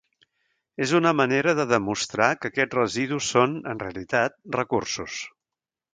És una manera de demostrar que aquests residus són, en realitat, recursos.